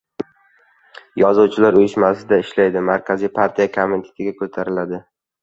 Yozuvchilar uyushmasida ishlaydi, markaziy partiya komitetiga ko‘tariladi.